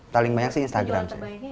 paling banyak sih instagram